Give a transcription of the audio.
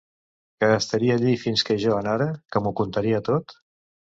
Que estaria allí fins que jo anara, que m'ho contaria tot...